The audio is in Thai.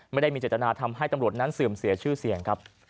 ไม่ได้มีเจตนาทำให้ตำรวจนั้นเสื่อมเสียชื่อเสียงครับ